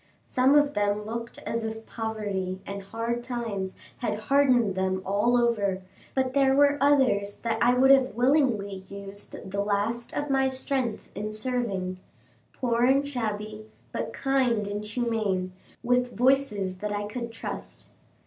Some of them looked as if poverty and hard times had hardened them all over; but there were others that I would have willingly used the last of my strength in serving; poor and shabby, but kind and humane, with voices that I could trust.